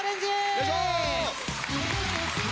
よいしょ！